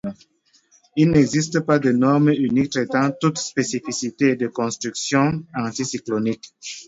Il n'existe pas de norme unique traitant toutes les spécificités des constructions anticycloniques.